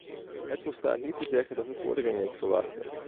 Het volstaat niet te zeggen dat we vorderingen verwachten.